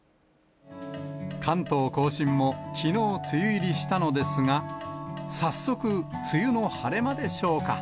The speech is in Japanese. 関東甲信もきのう梅雨入りしたのですが、早速、梅雨の晴れ間でしょうか。